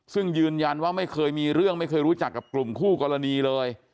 ซึ่งยืนยันว่าไม่เคยมีเรื่องไม่เคยรู้จักกับกลุ่มคู่กรณีเลย